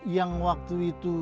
yang waktu itu